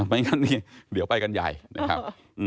ไม่งั้นนี่เดี๋ยวไปกันใหญ่นะครับ